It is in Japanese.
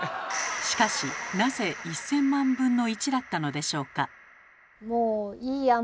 しかしなぜ１，０００万分の１だったのでしょうか。